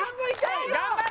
頑張れ！